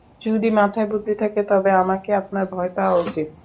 যদি মাথায় বুদ্ধি থাকে, তবে আমাকে আপনার ভয় পাওয়া উচিত।